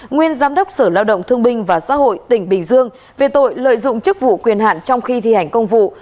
nguyên giám đốc sở lao động thương binh và xã hội tỉnh bình dương về tội lợi dụng chức vụ quyền hạn trong khi thi hành công vụ